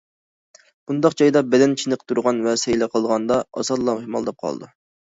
بۇنداق جايدا بەدەن چېنىقتۇرغان ۋە سەيلە قىلغاندا، ئاسانلا شامالداپ قالىدۇ.